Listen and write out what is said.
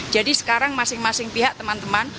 jadi sekarang masing masing pihak teman teman